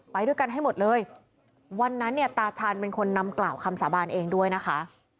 ไปด้วยกันให้หมดเลยวันนั้นเนี่ยตาชาญเป็นคนนำกล่าวคำสาบานเองด้วยนะคะ